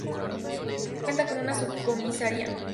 Cuenta con una subcomisaría.